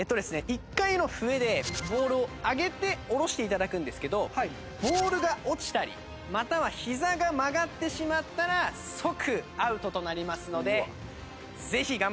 １回の笛でボールを上げて下ろして頂くんですけどボールが落ちたりまたはひざが曲がってしまったら即アウトとなりますのでぜひ頑張って頂ければなと。